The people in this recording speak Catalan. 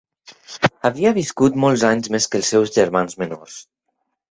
Havia viscut molts anys més que els seus germans menors.